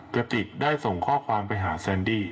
กระติกได้ส่งข้อความไปหาแซนดี้